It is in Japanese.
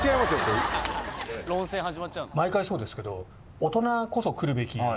毎回そうですけど。